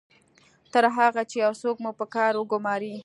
تر هغه چې یو څوک مو په کار وګماري